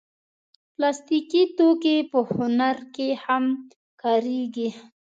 پلاستيکي توکي په هنر کې هم کارېږي.